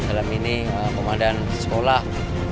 dalam ini pemadaan sekolah